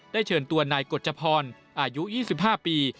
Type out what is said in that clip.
เชิญตัวนายกฎจพรอายุ๒๕ปี